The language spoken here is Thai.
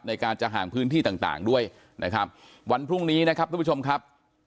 ในการจะห่างพื้นที่ต่างต่างด้วยนะครับวันพรุ่งนี้นะครับทุกผู้ชมครับ